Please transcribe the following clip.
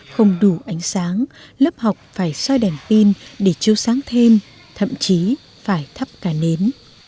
không đủ ánh sáng lớp học phải xoay đèn pin để chiêu sáng thêm thậm chí phải thắp cả nến